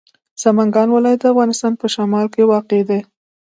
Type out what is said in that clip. سمنګان ولایت د افغانستان په شمال کې واقع دی.